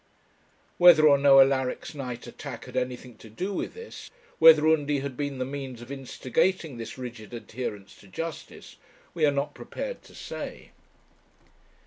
Whether or no Alaric's night attack had anything to do with this, whether Undy had been the means of instigating this rigid adherence to justice, we are not prepared to say.